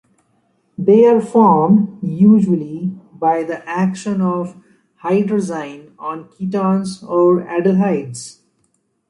They are formed usually by the action of hydrazine on ketones or aldehydes.